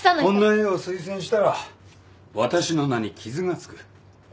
こんな絵を推薦したら私の名に傷が付く